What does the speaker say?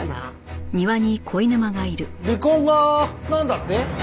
離婚がなんだって？